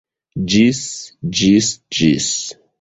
Ĝis... ĝis... ĝis...